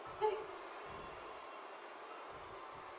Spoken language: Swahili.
na kama jibu ni ndiyo mpango huo ni nini